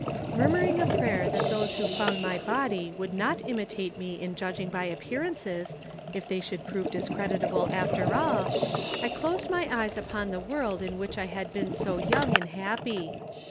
Murmuring a prayer that those who found my body would not imitate me in judging by appearances, if they should prove discreditable after all, I closed my eyes upon the world in which I had been so young and happy.